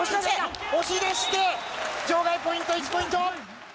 押し出して場外ポイント１ポイント！